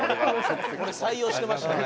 「これ採用してましたね」